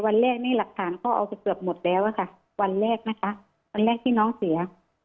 วันแรกนี่หลักฐานเขาเอาไปเกือบหมดแล้วอะค่ะวันแรกนะคะวันแรกที่น้องเสีย